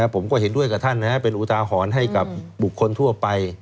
ผมก็เห็นด้วยกับท่านเป็นอุทาหรณ์ให้กับบุคคลทั่วไป